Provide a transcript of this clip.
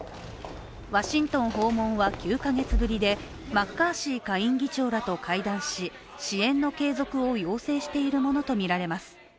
ワシントン訪問は９か月ぶりでマッカーシー下院議長らと会談し支援の継続を要請しているものとみられます。